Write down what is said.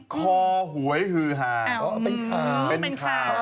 คอหวยฮือหาเป็นข่าว